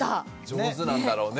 上手なんだろうね。